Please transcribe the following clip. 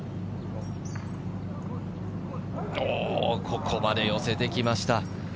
ここまで寄せてきました。